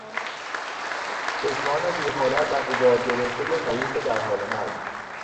چشمان بیحالت و غبار گرفتهی مریض در حال مرگ